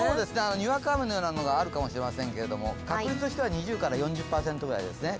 にわか雨のようなものがあるかもしれませんが確率としては２０４０％ぐらいです。